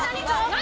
何！？